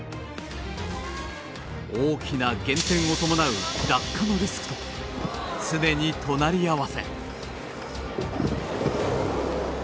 大きな減点を伴う落下のリスクと常に隣り合わせ。